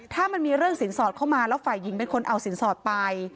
ถ้ามันมีเรื่องสินสอดเข้ามาแล้วฝ่ายหญิงเป็นคนเอาสินสอดไป